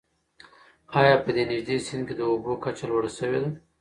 آیا په دې نږدې سیند کې د اوبو کچه لوړه شوې ده؟